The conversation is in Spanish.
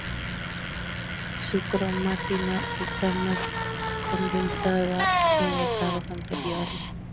Su cromatina está más condensada que en estados anteriores.